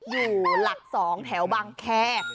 อยู่หลัก๒แถวบางแคร์